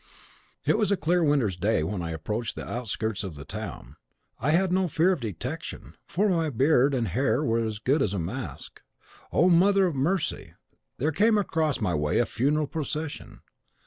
It was a clear winter's day when I approached the outskirts of the town. I had no fear of detection, for my beard and hair were as good as a mask. Oh, Mother of Mercy! there came across my way a funeral procession!